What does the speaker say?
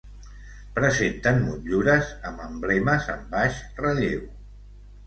Presenten motllures amb emblemes en baix relleu.